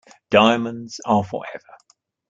Diamonds are forever.